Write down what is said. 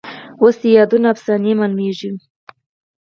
اوس دي یادونه افسانې ښکاري